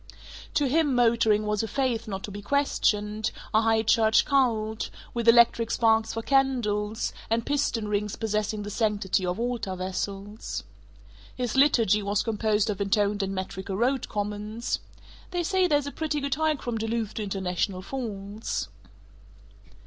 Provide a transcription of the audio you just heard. To him motoring was a faith not to be questioned, a high church cult, with electric sparks for candles, and piston rings possessing the sanctity of altar vessels. His liturgy was composed of intoned and metrical road comments: "They say there's a pretty good hike from Duluth to International Falls."